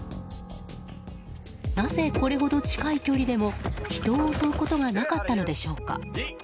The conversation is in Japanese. なぜ、これほど近い距離でも人を襲うことがなかったのでしょうか。